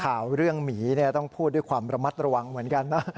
ข่าวเรื่องหมีต้องพูดด้วยความระมัดระวังเหมือนกันนะ